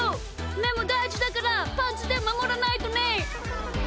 めもだいじだからパンツでまもらないとね！